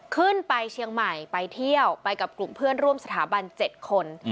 ขึ้นไปเชียงใหม่ไปเที่ยวไปกับกลุ่มเพื่อนร่วมสถาบัน๗คน